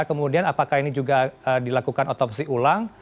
kemudian apakah ini juga dilakukan otopsi ulang